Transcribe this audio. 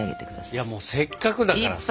いやもうせっかくだからさ。